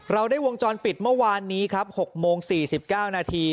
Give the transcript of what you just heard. เราได้วงจรปิดเมื่อวานนี้ครับ๖โมง๔๙นาที